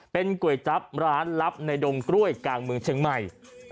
เป็นก๋วยจั๊บร้านลับในดงกล้วยกลางเมืองเชียงใหม่